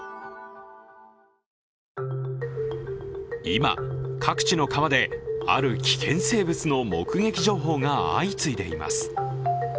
今、各地の川で、ある危険生物の目撃情報が相次いでいます。